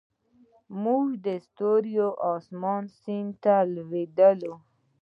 خو زموږ ستوري د اسمان سیند ته لویدلې